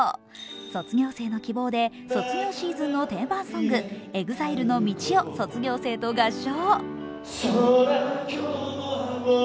卒業生の希望で卒業シーズンの定番ソング、ＥＸＩＬＥの「道」を卒業生と合唱。